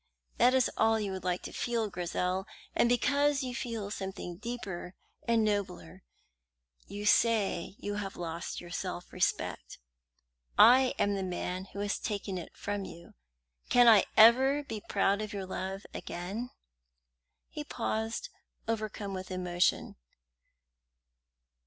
That is all you would like to feel, Grizel, and because you feel something deeper and nobler you say you have lost your self respect. I am the man who has taken it from you. Can I ever be proud of your love again?" He paused, overcome with emotion.